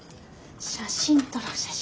写真撮ろう写真。